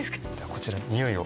こちらにおいを。